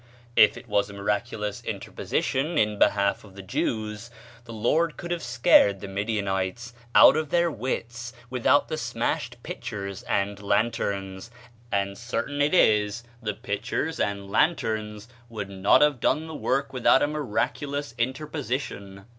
If it was a miraculous interposition in behalf of the Jews, the Lord could have scared the Midianites out of their wits without the smashed pitchers and lanterns; and certain it is the pitchers and lanterns would not have done the work with out a miraculous interposition.